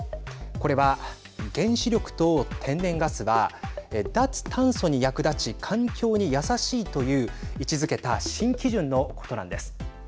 これは、原子力と天然ガスは脱炭素に役立ち環境にやさしいという位置づけた新基準のことなんです。